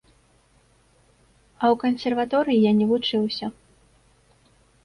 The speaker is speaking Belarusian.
А ў кансерваторыі я не вучыўся.